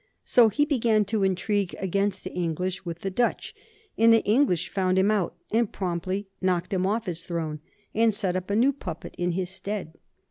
So he began to intrigue against the English with the Dutch, and the English found him out and promptly knocked him off his throne, and set up a new puppet in his stead.